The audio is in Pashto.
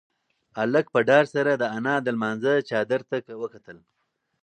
هلک په ډار سره د انا د لمانځه چادر ته وکتل.